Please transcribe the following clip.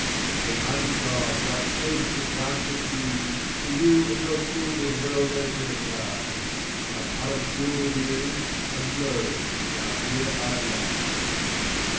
Almighty God vouchsafe to grant that ye, For you and your children well may edify! My palace builded is, and lo now here I lie.